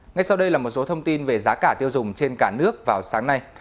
ngay sau đây là một số thông tin về giá cả tiêu dùng trên cả nước vào sáng nay